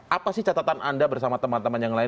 apa sih catatan anda bersama teman teman yang lain